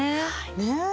ねえ。